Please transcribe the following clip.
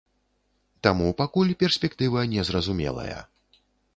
Таму пакуль перспектыва незразумелая.